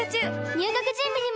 入学準備にも！